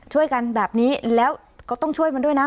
ช่วยกันแบบนี้แล้วก็ต้องช่วยมันด้วยนะ